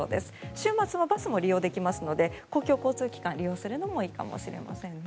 週末はバスも利用できますので公共交通機関を利用するのもいいかもしれません。